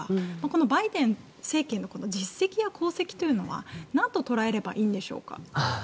このバイデン政権の実績や功績というのはなんと捉えればいいんでしょう。